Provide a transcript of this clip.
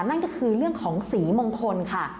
นั่นก็คือเรื่องของสีมงคลค่ะ